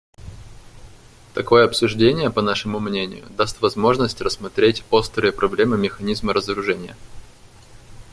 Такое обсуждение, по нашему мнению, даст возможность рассмотреть острые проблемы механизма разоружения.